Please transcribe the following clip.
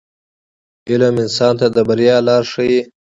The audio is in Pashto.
• علم انسان ته د بریا لار ښیي.